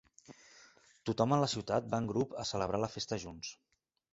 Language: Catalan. Tothom en la ciutat va en grup a celebrar la festa junts.